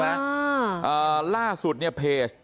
อ่าล่าสุดเนี่ยเพจ